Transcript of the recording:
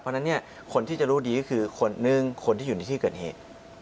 เพราะฉะนั้นเนี่ยคนที่จะรู้ดีก็คือคนหนึ่งคนที่อยู่ในที่เกิดเหตุ